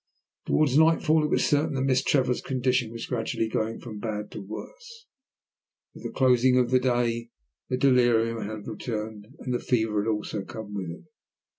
Towards nightfall it was certain that Miss Trevor's condition was gradually going from bad to worse. With the closing of the day the delirium had returned, and the fever had also come with it.